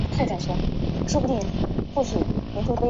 那珂是大日本帝国海军的轻巡洋舰。